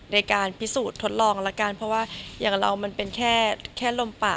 ในการพิสูจน์ทดลองแล้วกันเพราะว่าอย่างเรามันเป็นแค่ลมป่า